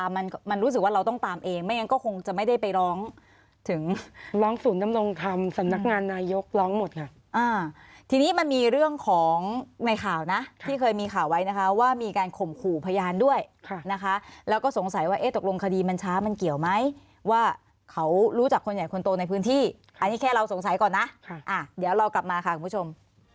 อันนี้แค่เราสงสัยก่อนนะเดี๋ยวเรากลับมาค่ะคุณผู้ชม